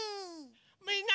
みんな。